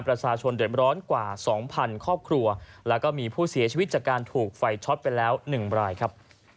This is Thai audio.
ประชาชนเดินร้อนกว่า๒๐๐ครอบครัวแล้วก็มีผู้เสียชีวิตจากการถูกไฟช็อตไปแล้ว๑รายครับ